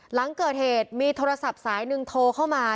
หลังเกิดเหตุมีโทรศัพท์สายหนึ่งโทรเข้ามา